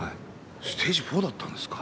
ステージ４だったんですか？